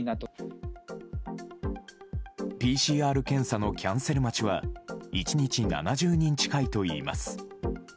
ＰＣＲ検査のキャンセル待ちは１日７０人近いといいます。